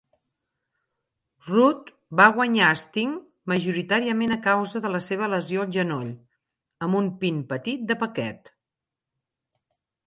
Rude va guanyar a Sting, majoritàriament a causa de la seva lesió al genoll, amb un pin petit de paquet.